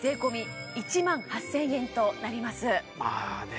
まあね